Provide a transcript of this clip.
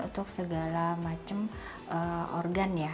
untuk segala macam organ ya